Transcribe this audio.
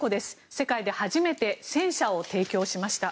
世界で初めて戦車を提供しました。